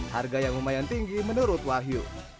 harga yang lumayan tinggi menurut wahyu